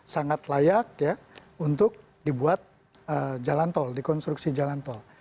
sangat layak ya untuk dibuat jalan tol dikonstruksi jalan tol